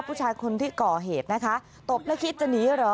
ผู้ชายคนที่ก่อเหตุนะคะตบแล้วคิดจะหนีเหรอ